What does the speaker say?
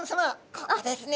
ここですね。